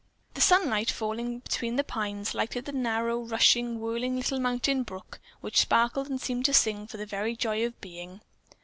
The sunlight, falling between the pines, lighted the narrow, rushing, whirling little mountain brook, which sparkled and seemed to sing for the very joy of being.